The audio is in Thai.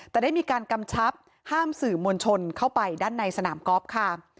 แต่ได้มีการกำชับห้ามสื่อมวลชนเข้าไปด้านในสนามกอล์ฟค่ะ